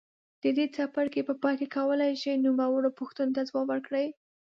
د دې څپرکي په پای کې کولای شئ نوموړو پوښتنو ته ځواب ورکړئ.